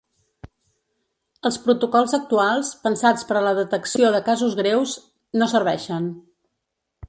Els protocols actuals, pensats per a la detecció de casos greus, no serveixen.